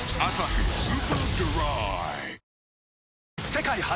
世界初！